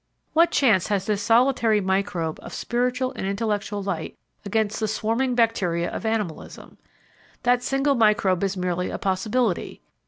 What chance has this solitary microbe of spiritual and intellectual light against the swarming bacteria of animalism? That single microbe is merely a possibility.